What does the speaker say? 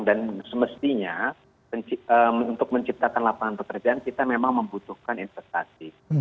dan semestinya untuk menciptakan lapangan pekerjaan kita memang membutuhkan investasi